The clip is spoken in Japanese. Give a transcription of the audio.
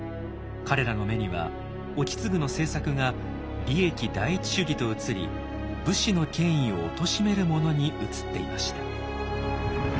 彼らの目には意次の政策が利益第一主義と映り武士の権威をおとしめるものに映っていました。